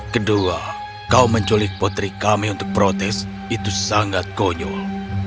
kedua kau menculik putri kami untuk protes itu sangat konyol